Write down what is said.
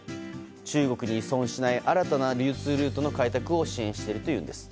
中国に依存しない新たな流通ルートの開拓を支援しているというんです。